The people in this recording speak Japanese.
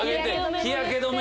日焼け止め